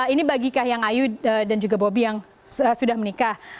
ini bagi kahiyang ayu dan juga bobi yang sudah menikah